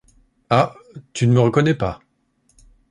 Ah ! Tu ne me reconnais pas ?